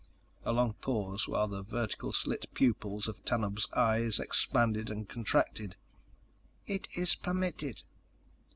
A long pause while the vertical slit pupils of Tanub's eyes expanded and contracted. "It is permitted."